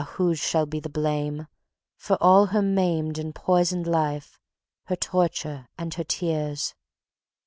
whose shall be the blame For all her maimed and poisoned life, her torture and her tears?